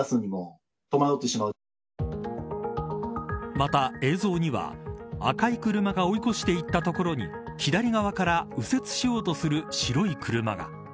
また映像には赤い車が追い越していった所に左側から右折しようとする白い車が。